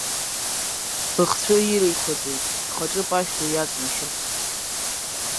Быхцәы ириқәаҵәеит, бхаҿы пашәӡа иаҵнашьырц.